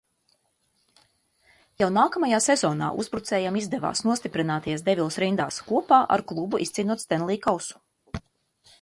"Jau nākamajā sezonā uzbrucējam izdevās nostiprināties "Devils" rindās, kopā ar klubu izcīnot Stenlija kausu."